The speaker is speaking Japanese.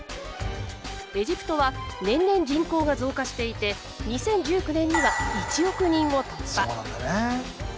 エジプトは年々人口が増加していて２０１９年にはそうなんだね。